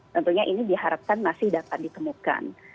tentunya ini diharapkan masih dapat ditemukan